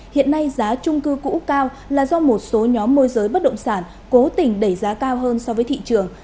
hiện nay giá trung cư cũ cao là do một số nhóm môi giới bất động sản cố tình đẩy giá cao hơn so với thị trường